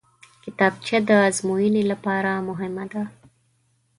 کتابچه د ازموینې لپاره مهمه ده